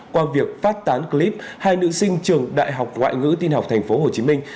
qua việc phát tán clip hai nữ sinh trường đại học ngoại ngữ tin học thành phố hồ chí minh